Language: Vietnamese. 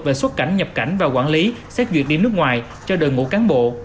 về xuất cảnh nhập cảnh và quản lý xét duyệt đi nước ngoài cho đội ngũ cán bộ